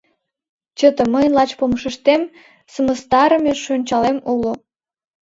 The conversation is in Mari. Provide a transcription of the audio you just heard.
Чыте, мыйын лач помышыштем сымыстарыме шӧнчалем уло.